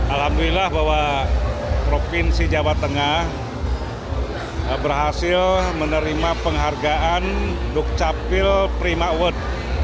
alhamdulillah bahwa provinsi jawa tengah berhasil menerima penghargaan dukcapil prima award